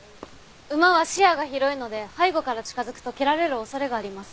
馬は視野が広いので背後から近づくと蹴られる恐れがあります。